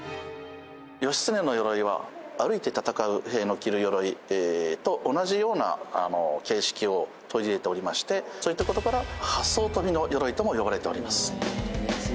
義経の鎧は歩いて戦う兵の着る鎧と同じような形式を取り入れておりましてそういった事から八艘飛びの鎧とも呼ばれております。